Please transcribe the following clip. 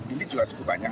ini juga cukup banyak